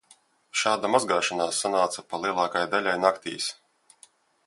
Šāda mazgāšanās sanāca pa lielākai daļai naktīs.